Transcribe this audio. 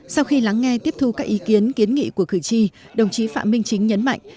sau khi lắng nghe tiếp thu các ý kiến kiến nghị của cử tri đồng chí phạm minh chính nhấn mạnh